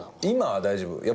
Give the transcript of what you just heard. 今は大丈夫。